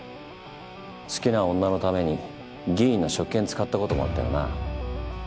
好きな女のために議員の職権使ったこともあったよな？